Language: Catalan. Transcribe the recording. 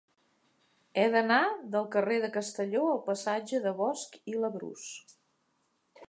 He d'anar del carrer de Castelló al passatge de Bosch i Labrús.